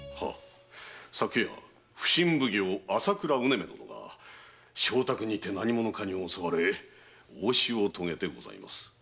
昨夜普請奉行朝倉采女殿が妾宅にて何者かに襲われ横死を遂げてございます。